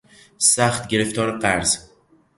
سخت گرفتار قرض